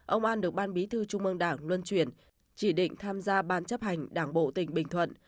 ông an được ban bí thư trung ương đảng luân chuyển chỉ định tham gia ban chấp hành đảng bộ tỉnh bình thuận